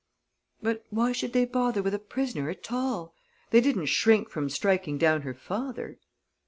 "But why should they bother with a prisoner at all? They didn't shrink from striking down her father?"